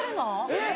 えっ！